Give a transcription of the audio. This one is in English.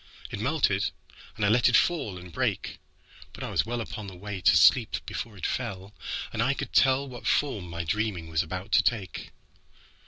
It melted, and I let it fall and break. But I was wellUpon my way to sleep before it fell, And I could tellWhat form my dreaming was about to take.